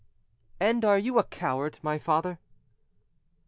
'" "And are you a coward, my father?"